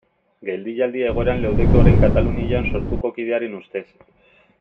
Geldialdi egoeran leudeke orain Katalunian Sortuko kidearen ustez.